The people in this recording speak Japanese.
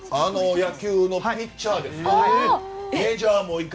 野球のピッチャーですか。